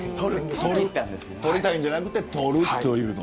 取りたいんじゃなくて取ると。